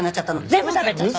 全部食べちゃったの。